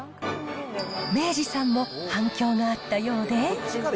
明治さんも反響があったようで。